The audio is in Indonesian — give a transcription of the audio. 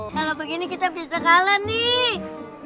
kalau begini kita bisa kalah nih